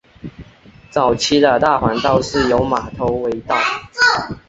早期的大环道是由马头围道。